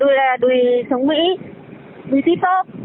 đùi là đùi sống mỹ đùi tiếp tốt